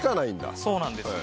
そうなんです。